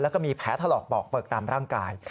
แล้วก็มีแผลถลอกปอกเปลือกตามร่างกาย